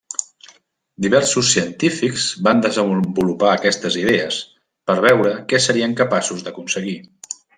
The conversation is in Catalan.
Diversos científics van desenvolupar aquestes idees, per veure que serien capaços d’aconseguir.